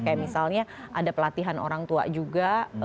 kayak misalnya ada pelatihan orang tua juga